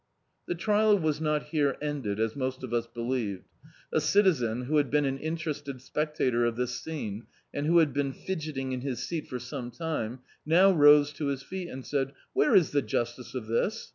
The trial was not here ended, as most of us be lieved. A citizen, who had been an interested spec tator of this scene, and who had been iidgetting In his seat for some time, now rose to his feet, and said — "Where is the justice of this?